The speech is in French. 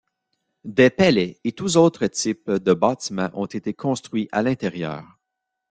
Des palais et tous autres types de bâtiments ont été construits à l'intérieur.